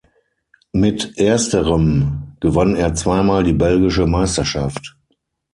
Mit ersterem gewann er zweimal die Belgische Meisterschaft.